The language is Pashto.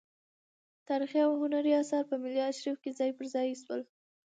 تاریخي او هنري اثار په ملي ارشیف کې ځای پر ځای شول.